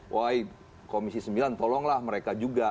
wahi komisi sembilan tolonglah mereka juga